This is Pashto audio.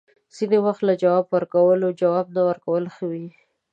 ځینې وخت له جواب ورکولو، جواب نه ورکول ښه وي